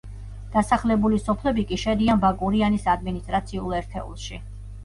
დასახლებული სოფლები კი შედიან ბაკურიანის ადმინისტრაციულ ერთეულში.